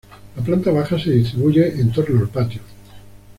La planta baja se distribuye en torno al patio.